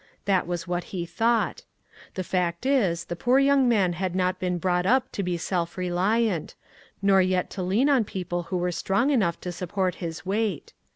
That was what lie thought. The fact is, the poor young man had not been brought up to be self reliant, nor } et to lean on peo ple who were strong enough to support his weight.